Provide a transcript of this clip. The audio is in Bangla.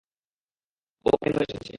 ও কেন এসেছে?